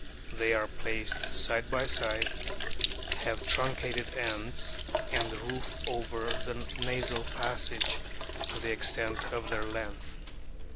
They are placed side by side, have truncated ends, and roof over the nasal passage to the extent of their length.